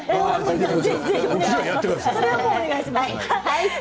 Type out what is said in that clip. それではお願いします。